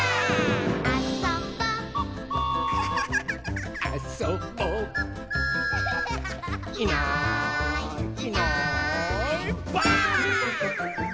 「あそぼ」「あそぼ」「いないいないばあっ！」